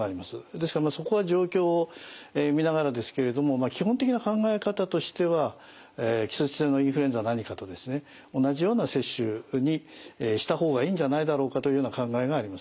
ですからそこは状況を見ながらですけれども基本的な考え方としては季節性のインフルエンザなにかとですね同じような接種にした方がいいんじゃないだろうかというような考えがあります。